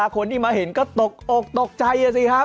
คนที่มาเห็นก็ตกอกตกใจสิครับ